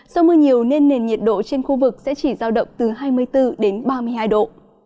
do mưa nhiều nên nền nhiệt độ trên khu vực sẽ chỉ giao động từ hai mươi bốn đến ba mươi hai độ